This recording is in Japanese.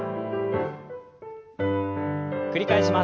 繰り返します。